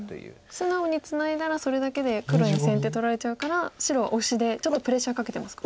素直にツナいだらそれだけで黒に先手取られちゃうから白オシでちょっとプレッシャーかけてますか。